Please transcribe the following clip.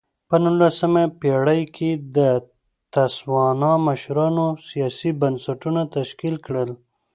په نولسمه پېړۍ کې د تسوانا مشرانو سیاسي بنسټونه تشکیل کړل.